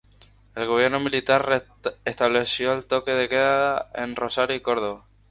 El gobierno militar estableció el toque de queda en Rosario y Córdoba.